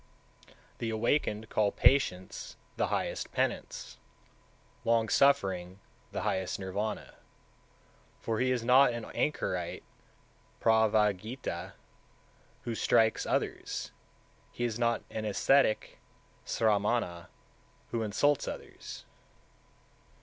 184. The Awakened call patience the highest penance, long suffering the highest Nirvana; for he is not an anchorite (pravragita) who strikes others, he is not an ascetic (sramana) who insults others.